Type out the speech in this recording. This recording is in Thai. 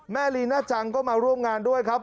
ลีน่าจังก็มาร่วมงานด้วยครับ